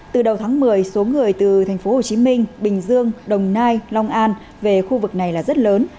từ đầu tháng một mươi số người từ thành phố hồ chí minh bình dương đồng nai long an về khu vực này là rất lớn